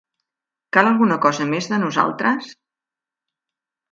Cal alguna cosa més de nosaltres?